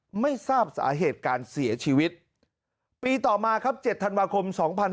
ไม่ทราบสาเหตุการเสียชีวิตปีต่อมาครับ๗ธันวาคม๒๕๖๒